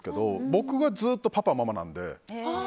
僕がずっとパパ、ママなので。